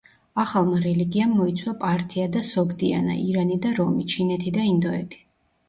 ახალმა რელიგიამ მოიცვა პართია და სოგდიანა, ირანი და რომი, ჩინეთი და ინდოეთი.